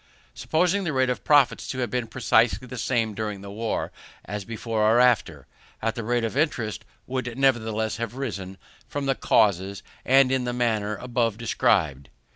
Supposing the rate of profits to have been precisely the same during the war, as before or after it, the rate of interest would nevertheless have risen, from the causes and in the manner above described.